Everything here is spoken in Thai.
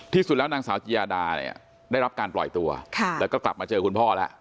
ที่สุดแล้วนางสาวจิยาดาเนี่ยได้รับการปล่อยตัวแล้วก็กลับมาเจอคุณพ่อแล้ว